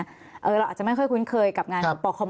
เราอาจจะไม่ค่อยคุ้นเคยกับงานปคม